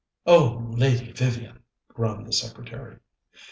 "Oh, Lady Vivian!" groaned the secretary.